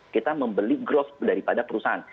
kita membeli growth daripada perusahaan